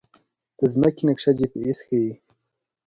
د ځمکې نقشه جی پي اس ښيي